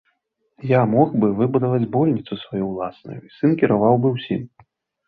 Я мог бы выбудаваць больніцу сваю ўласную, сын кіраваў бы ўсім.